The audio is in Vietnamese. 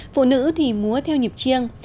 phụ nữ thì múa theo nhịp chiêng